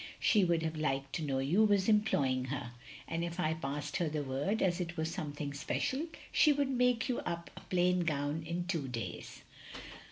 She would have liked to faiow you was employing her. And if I passed her the word as it was something special, she would make you up a plain gown in two days.